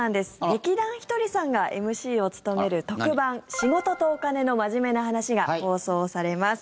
劇団ひとりさんがＭＣを務める特番「仕事とお金のマジメな話」が放送されます。